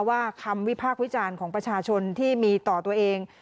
คำวิพากษ์วิจารณ์ของประชาชนที่มีต่อตัวเอง